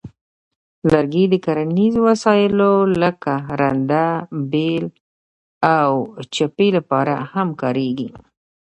لرګي د کرنیزو وسایلو لکه رنده، بیل، او چپې لپاره هم کارېږي.